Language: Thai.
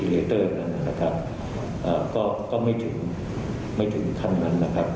เอเตอร์นั้นนะครับอ่าก็ไม่ถึงไม่ถึงขั้นนั้นนะครับ